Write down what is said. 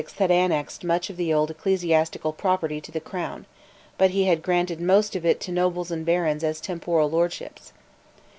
had annexed much of the old ecclesiastical property to the Crown; but he had granted most of it to nobles and barons as "temporal lordships."